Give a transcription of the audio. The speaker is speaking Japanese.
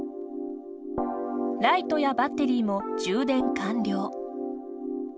ライトやバッテリーも充電完了。